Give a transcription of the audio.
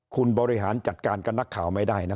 คุณบริหารจัดการกับนักข่าวไม่ได้นะ